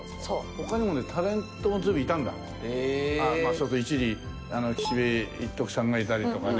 それで一時岸部一徳さんがいたりとかね。